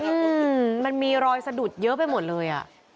อืมมันมีรอยสะดุดเยอะไปหมดเลยอ่ะ